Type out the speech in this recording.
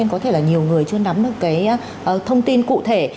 có thể là nhiều người chưa nắm được cái thông tin cụ thể